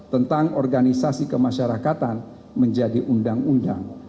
tentang organisasi kemasyarakatan menjadi undang undang